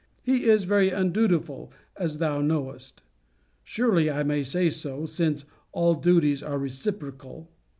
He is very undutiful, as thou knowest. Surely, I may say so; since all duties are reciprocal.